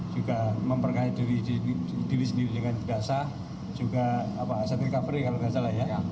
juga memperkait diri sendiri dengan terasa juga aset recovery kalau tidak salah ya